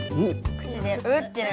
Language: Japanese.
口でうってなる。